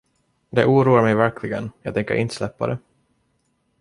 Det oroar mig verkligen, jag tänker inte släppa det.